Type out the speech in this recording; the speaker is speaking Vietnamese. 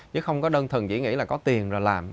chứ không có đơn thần chỉ nghĩ là có tiền rồi làm